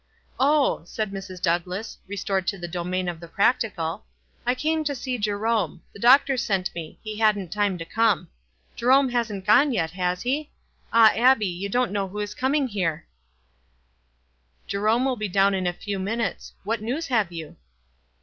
"Oh," said Mrs. Douglass, restored to the domain of the practical, "I came to see Jerome. The doctor sent me ; he hadn't time to come. Jerome hasn't gone yet, has he? Ah, Abbie s you dou't know who is coming here." 312 WISE AND OTHERWISE. "Jerome will be down in a few minutes. What news have you